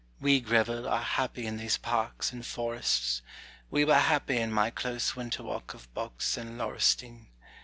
We, Greville, are happy in these parks and forests : we were happy in my close winter walk of box and laurustine.